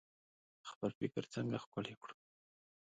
خپل فکر څنګه ښکلی کړو؟